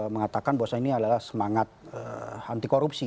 mengatakan bahwasan ini adalah semangat anti korupsi